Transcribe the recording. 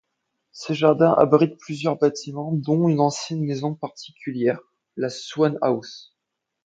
Ses jardins abritent plusieurs bâtiments, dont une ancienne maison particulière, la Swan House.